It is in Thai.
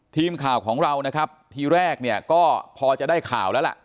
ทีมข่าวของเราทีแรกก็พอจะได้ข่าวแล้วล่ะ